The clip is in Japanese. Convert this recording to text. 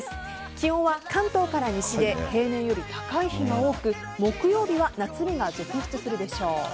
気温は関東から西で平年より高い日が多く木曜日は夏日が続出するでしょう。